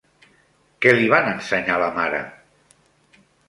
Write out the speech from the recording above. Què li van ensenyar la mare?